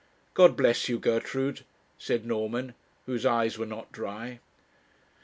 'God bless you, Gertrude,' said Norman, whose eyes were not dry.